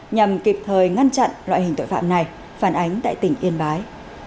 nhằm kịp thời ngăn chặn loại hình tội phạm này phản ánh tại tỉnh yên bái